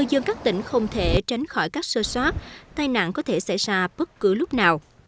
để tránh khỏi các xơ xóa tai nạn có thể xảy ra bất cứ lúc nào